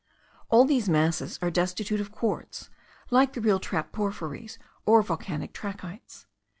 All these masses are destitute of quartz like the real trap porphyries, or volcanic trachytes.